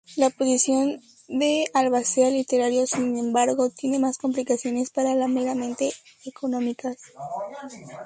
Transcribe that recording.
La posición del albacea literario, sin embargo, tiene más implicaciones que las meramente económicas.